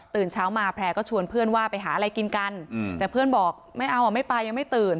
เช้ามาแพร่ก็ชวนเพื่อนว่าไปหาอะไรกินกันแต่เพื่อนบอกไม่เอาอ่ะไม่ไปยังไม่ตื่น